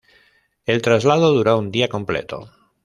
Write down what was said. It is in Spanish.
El traslado duró un día completo.